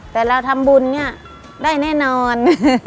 แต่เราทำบุญได้แน่นอน